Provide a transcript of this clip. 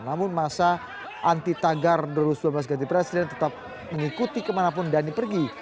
namun masa anti tagar dua ribu sembilan belas ganti presiden tetap mengikuti kemanapun dhani pergi